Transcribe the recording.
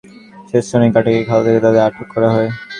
গতকাল মঙ্গলবার কদমতলা স্টেশনের কাটাকুটি খাল থেকে তাঁদের আটক করা হয়।